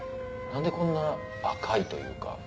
何でこんな赤いというか？